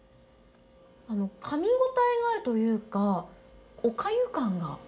かみ応えがあるというか、おかゆ感が。